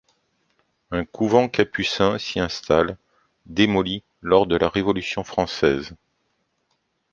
Un couvent capucin s'y installe, démoli lors de la Révolution française.